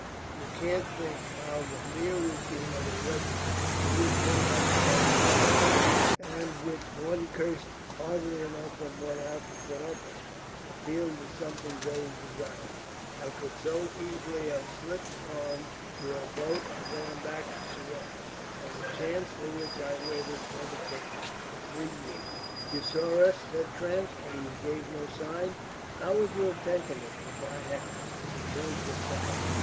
You can't think how the mere routine of a regiment to which one had become accustomed, and which one cursed heartily enough when one had to put up with it, appealed as something very desirable. I could so easily have run away. I could so easily have slipped on to a boat and gone back to Suez. And the chance for which I waited never came for three years." "You saw us?" said Trench. "And you gave no sign?" "How would you have taken it if I had?" And Trench was silent.